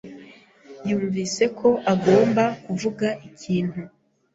yumvise ko agomba kuvuga ikintu.